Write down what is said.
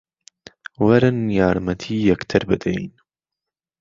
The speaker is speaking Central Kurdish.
وەرن یارمەتی یەکتر بدەین